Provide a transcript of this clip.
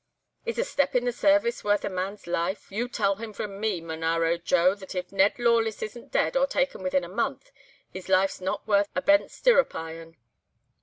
"'Is a step in the service worth a man's life? You tell him from me, Monaro Joe, that if Ned Lawless isn't dead or taken within a month, his life's not worth a bent stirrup iron.